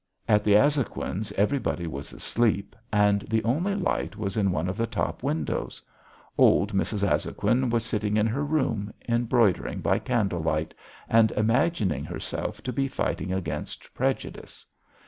At the Azhoguins' everybody was asleep and the only light was in one of the top windows; old Mrs. Azhoguin was sitting in her room embroidering by candle light and imagining herself to be fighting against prejudice.